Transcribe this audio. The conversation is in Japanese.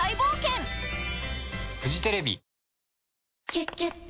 「キュキュット」